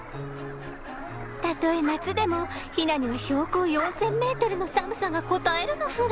たとえ夏でもヒナには標高４，０００ｍの寒さがこたえるのフラ。